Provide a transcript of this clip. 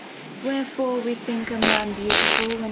Wherefore we think a man beautiful when his V.